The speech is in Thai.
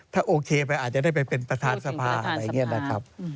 ถ้าโอเคไปอาจจะได้ไปเป็นประธานสภาอะไรอย่างนี้นะครับ